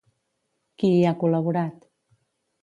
Qui hi ha col·laborat?